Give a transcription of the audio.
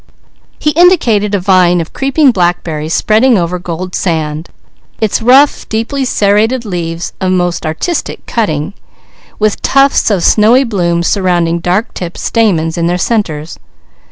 He indicated a vine of creeping blackberry spreading over gold sand, its rough, deeply serrated leaves of most artistic cutting, with tufts of snowy bloom surrounding dark tipped stamens in their centres.